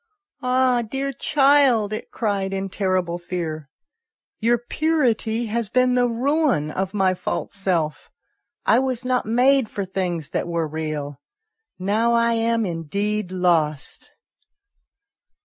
" Ah, dear child," it cried in terrible fear, " your purity has been the ruin of my false self. I was not made for things that were real ; now I am indeed lost."